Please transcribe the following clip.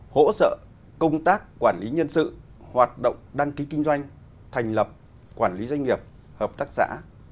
hỗ trợ công tác quản lý nhân sự hoạt động đăng ký kinh doanh thành lập quản lý doanh nghiệp hợp tác xã